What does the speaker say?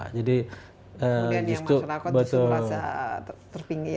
kemudian yang masyarakat itu merasa terpinggir bersingkir